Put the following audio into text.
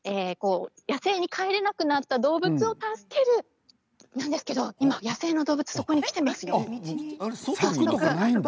野生に帰れなくなった動物を助ける野生の動物がそこに来ていますよ。